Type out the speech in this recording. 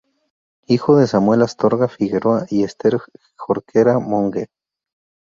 Hijo de Samuel Astorga Figueroa y Ester Jorquera Monge.